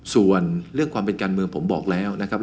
ส่วนเรื่องความเป็นการเมืองผมบอกแล้วนะครับ